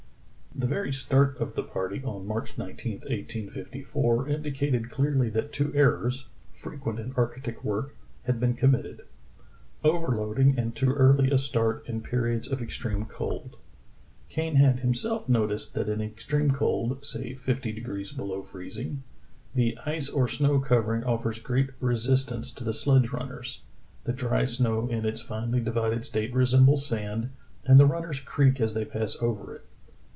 Smith Sound and West Greenland. 96 True Tales of Arctic Heroism The very start of the party, on March 19, 1854, ^^"'" dicated clearly that two errors, frequent in arctic work, had been committed — overloading and too early a start in periods of extreme cold. Kane had himself noticed that in extreme cold, say fifty degrees below free2ing,*'the ice or snow covering offers great resistance to the sledge runners. The dry snow in its finely di vided state resembles sand, and the runners creak as they pass over it."